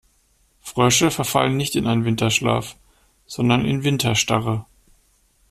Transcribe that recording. Frösche verfallen nicht in einen Winterschlaf, sondern in Winterstarre.